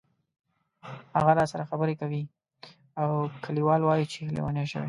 هغه راسره خبرې کوي او کلیوال وایي چې لیونی شوې.